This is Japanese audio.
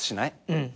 うん。